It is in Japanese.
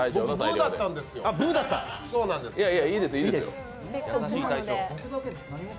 僕ブーだったんですよ。